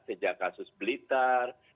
sejak kasus blitar